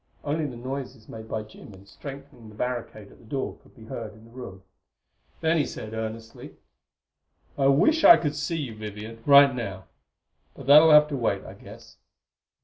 Only the noises made by Jim in strengthening the barricade at the door could be heard in the room. Then he said, earnestly: "I wish I could see you, Vivian right now; but that'll have to wait. I guess...."